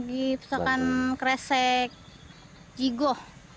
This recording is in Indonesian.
di pusatkan kresek jigo